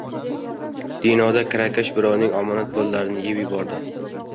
Denovda kirakash birovning omonat pullarini yeb yubordi